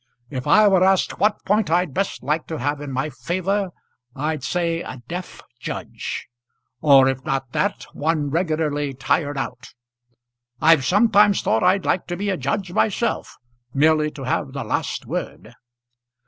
If I were asked what point I'd best like to have in my favour I'd say, a deaf judge. Or if not that, one regularly tired out. I've sometimes thought I'd like to be a judge myself, merely to have the last word."